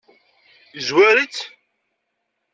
Yezwar-itt?